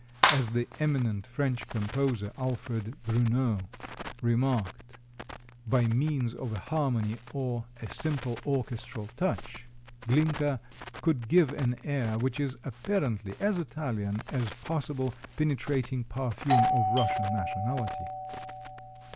As the eminent French composer, Alfred Bruneau (bree´ no), remarked, "by means of a harmony or a simple orchestral touch," Glinka "could give an air which is apparently as Italian as possiblea penetrating perfume of Russian nationality."